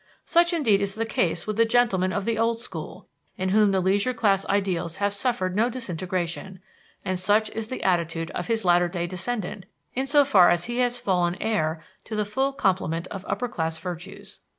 Such indeed is the case with the gentleman of the old school, in whom the leisure class ideals have suffered no disintegration; and such is the attitude of his latter day descendant, in so far as he has fallen heir to the full complement of upper class virtues.